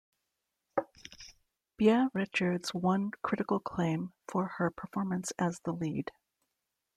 Beah Richards won critical acclaim for her performance as the lead.